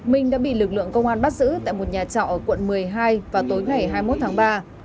minh đã bị lực lượng công an bắt giữ tại một nhà trọ ở quận một mươi hai vào tối ngày hai mươi một tháng ba